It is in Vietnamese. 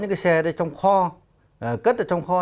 cái xe đấy trong kho cất ở trong kho